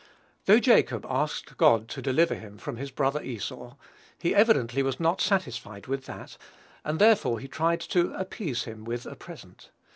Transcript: Though Jacob asked God to deliver him from his brother Esau, he evidently was not satisfied with that, and therefore he tried to "appease him with a present."